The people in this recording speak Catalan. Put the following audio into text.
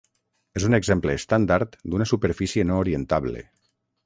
És un exemple estàndard d'una superfície no orientable.